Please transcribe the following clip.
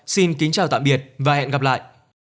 xin kính chào tạm biệt và hẹn gặp lại